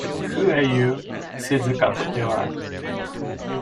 ‘Who are you?’ said the Caterpillar.